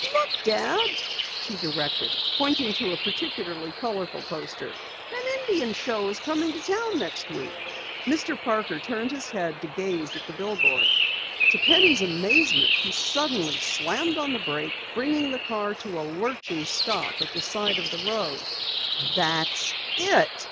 "Look, Dad!" she directed, pointing to a particularly colorful poster. "An Indian show is coming to town next week!" Mr. Parker turned his head to gaze at the billboard. To Penny's amazement, he suddenly slammed on the brake, bringing the car to a lurching halt at the side of the road. "That's it!"